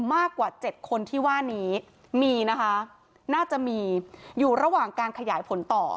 มากกว่าเจ็ดคนที่ว่านี้มีนะคะน่าจะมีอยู่ระหว่างการขยายผลต่อ